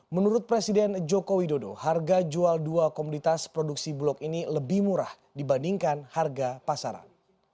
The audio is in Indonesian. menurut presiden joko widodo harga jual dua komunitas produksi bulog ini lebih murah dibandingkan harga pasaran